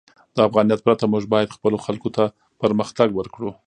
د افغانیت پرته، موږ باید خپلو خلکو ته پرمختګ ورکړو.